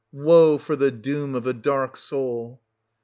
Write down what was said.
Woe for the doom of a dark soul